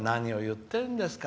何を言ってるんですか！